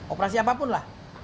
operasi apapun lah